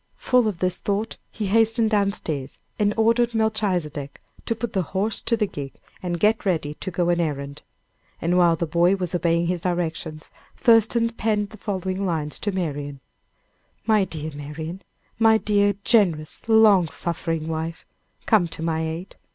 Full of this thought, he hastened down stairs and ordered Melchizedek to put the horse to the gig and get ready to go an errand. And while the boy was obeying his directions, Thurston penned the following lines to Marian: "My dear Marian my dear, generous, long suffering wife come to my aid.